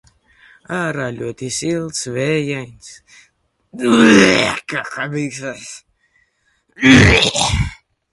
Ārā ļoti silts. Vējains. Carnikavas mājsaimniecības bodītei klientu šajās dienās daudz.